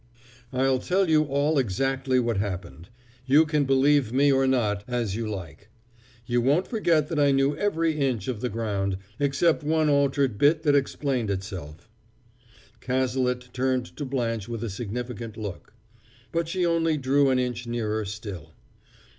"I'll tell you all exactly what happened; you can believe me or not as you like. You won't forget that I knew every inch of the ground except one altered bit that explained itself." Cazalet turned to Blanche with a significant look, but she only drew an inch nearer still.